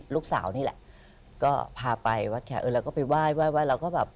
ลูกสาวนี่แหละก็พาไปวัดแขกแล้วก็ไปว่ายแล้วก็แบบ